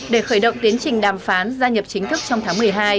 để khởi động tiến trình đàm phán gia nhập chính thức trong tháng một mươi hai